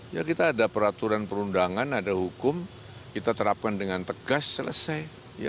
ya kita ada peraturan perundangan ada hukum kita terapkan dengan tegas selesai